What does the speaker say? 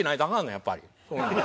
やっぱり。